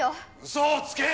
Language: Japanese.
嘘をつけ！